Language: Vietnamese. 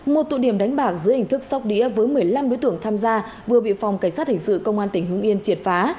một tụ điểm đánh bạc dưới hình thức sóc đĩa với một mươi năm đối tượng tham gia vừa bị phòng cảnh sát hình sự công an tỉnh hưng yên triệt phá